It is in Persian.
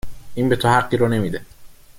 این به تو حقی رو نمیده